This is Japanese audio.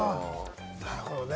なるほどね。